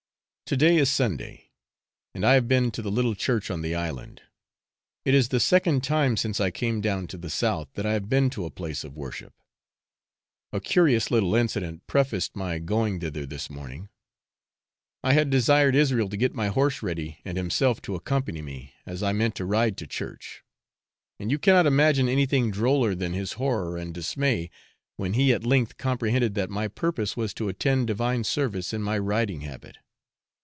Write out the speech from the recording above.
To day is Sunday, and I have been to the little church on the island. It is the second time since I came down to the south that I have been to a place of worship. A curious little incident prefaced my going thither this morning. I had desired Israel to get my horse ready and himself to accompany me, as I meant to ride to church; and you cannot imagine anything droller than his horror and dismay when he at length comprehended that my purpose was to attend divine service in my riding habit.